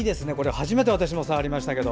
初めて私も触りましたけど。